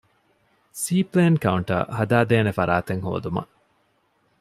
ސީޕްލޭން ކައުންޓަރ ހަދާދޭނެ ފަރާތެއް ހޯދުމަށް